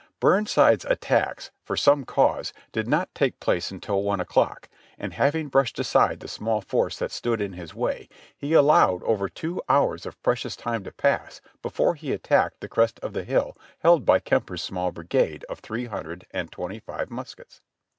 Burnside's attacks, from some cause, did not take place until THE CAMPAIGN OUTLINED 2// one o'clock, and having brushed aside the small force that stood in his way, he allowed over two hours of precious time to pass before he attacked the crest of the hill held by Kemper's small brigade of three hundred and twenty five muskets.